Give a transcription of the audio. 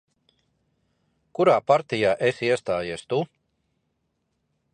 Kurā partijā esi iestājies Tu?